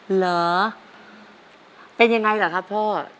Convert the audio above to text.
เหรอเป็นยังไงเหรอครับพ่อ